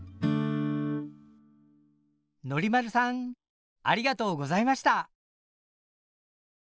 のりまるさんありがとうございました。